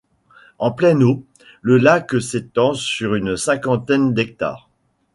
En pleine eau, le lac s'étend sur une cinquantaine d'hectares.